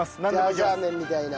ジャージャー麺みたいな。